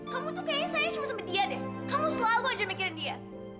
kamu tuh kayaknya sayang cuma sama dia deh kamu selalu aja mikirin dia